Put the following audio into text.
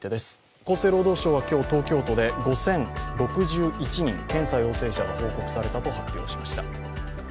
厚生労働省は今日、東京都で５０６１人、検査陽性者が報告されたと発表しました。